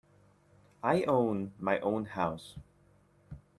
I own my own house.